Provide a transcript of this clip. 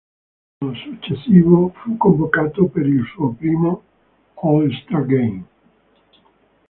L'anno successivo fu convocato per il suo primo All-Star Game.